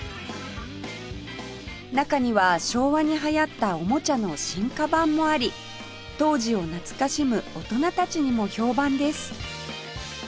中には昭和に流行ったおもちゃの進化版もあり当時を懐かしむ大人たちにも評判です